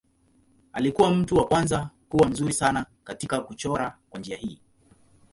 Alikuwa mtu wa kwanza kuwa mzuri sana katika kuchora kwa njia hii.